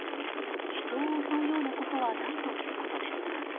人を襲うようなことはないということです。